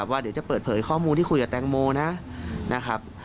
ว่าเดี๋ยวจะเปิดเผยข้อมูลที่คุยกับแตงโมนะครับ